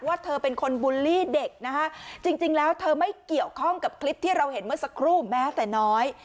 เธอเป็นคนบูลลี่เด็กนะคะจริงแล้วเธอไม่เกี่ยวข้องกับคลิปที่เราเห็นเมื่อสักครู่แม้แต่น้อย